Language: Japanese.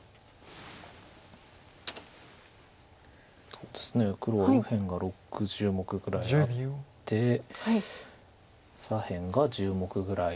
そうですね黒は右辺が６０目ぐらいあって左辺が１０目ぐらい。